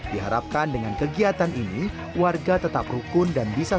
diharapkan dengan kegiatan ini warga tetap rukun dan bisa